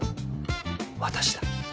私だ。